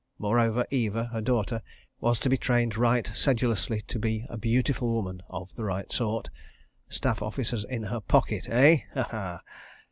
Moreover, Eva, her daughter, was to be trained right sedulously to be a beautiful woman—of the right sort. ... Staff officers in her pocket. Eh? Ha Ha!